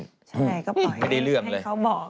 ใช่ก็ปล่อยให้เขาบอก